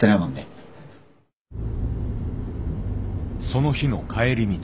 その日の帰り道。